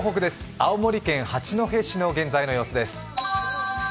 青森県八戸市の現在の様子です。